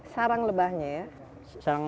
sarang lebahnya ya